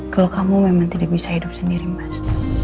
kalau kamu memang tidak bisa hidup sendiri mas